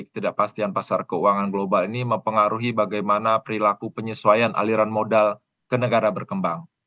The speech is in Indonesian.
ketidakpastian pasar keuangan global ini mempengaruhi bagaimana perilaku penyesuaian aliran modal ke negara berkembang